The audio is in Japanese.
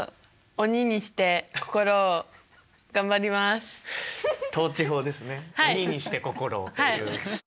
「鬼にして心を」という。